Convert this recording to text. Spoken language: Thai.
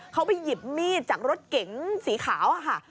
เขาไปหยิบมีดจากรถเก๋งสีขาวค่ะ